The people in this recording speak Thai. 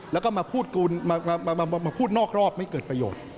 และก็มาพูดนอกรอบไม่เกิดประโยชน์